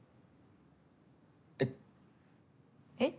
えっ？えっ？